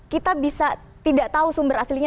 kita bisa tidak tahu sumber aslinya